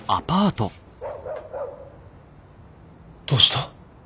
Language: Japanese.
どうした？